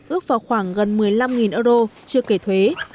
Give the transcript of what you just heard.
ước vào khoảng gần một mươi năm euro chưa kể thuế